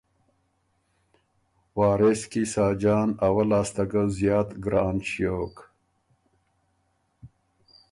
وارث کی ساجان اول لاسته ګه زیات ګران شیوک